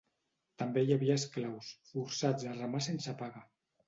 També hi havia esclaus, forçats a remar sense paga.